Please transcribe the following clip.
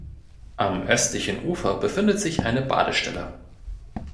Am östlichen Ufer befindet sich eine Badestelle.